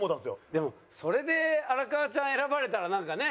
でもそれで荒川ちゃん選ばれたらなんかね。